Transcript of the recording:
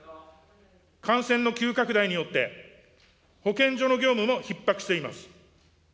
感染の急拡大によって、保健所の業務もひっ迫しています。